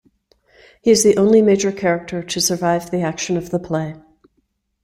He is the only major character to survive the action of the play.